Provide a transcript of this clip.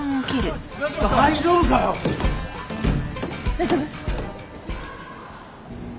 大丈夫？